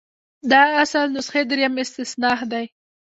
د اصل نسخې دریم استنساخ دی.